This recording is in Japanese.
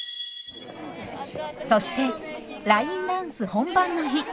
そしてラインダンス本番の日。